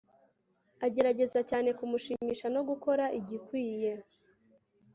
Agerageza cyane kumushimisha no gukora igikwiye